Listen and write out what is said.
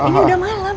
ini udah malam